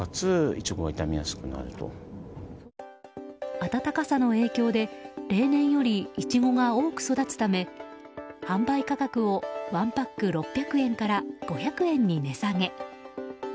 暖かさの影響で例年よりイチゴが多く育つため販売価格を１パック６００円から５００円に値下げ。